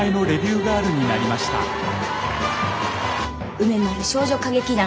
梅丸少女歌劇団